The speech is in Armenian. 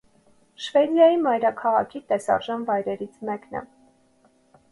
Շվեդիայի մայրաքաղաքի տեսարժան վայրերից մեկն է։